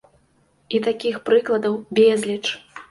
І такіх прыкладаў безліч!